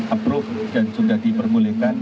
approve dan sudah diperbolehkan